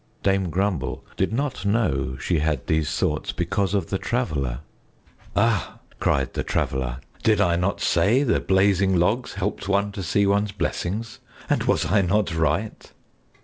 Dame Grumble did not know she had these thoughts because of the Traveler. "Ah!" cried the Traveler, "did I not say the blazing logs helped one to see one's blessings, and was I not right?"